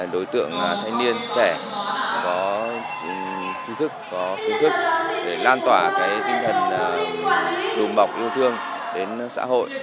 đối tượng thanh niên trẻ có trí thức có phương thức để lan tỏa tinh thần đùm bọc yêu thương đến xã hội